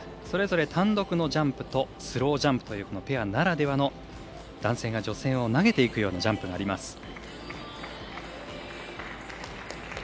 それぞれ、単独のジャンプとスロージャンプというペアならではの男性が女性を投げていくジャンプがあります。